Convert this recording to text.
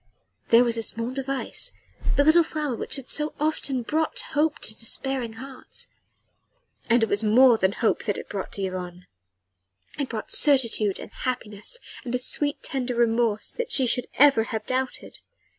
There was the small device the little red flower which had so often brought hope to despairing hearts. And it was more than hope that it brought to Yvonne. It brought certitude and happiness, and a sweet, tender remorse that she should ever have doubted.